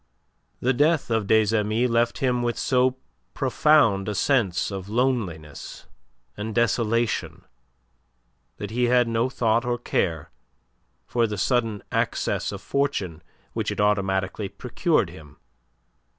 The death of des Amis left him with so profound a sense of loneliness and desolation that he had no thought or care for the sudden access of fortune which it automatically procured him.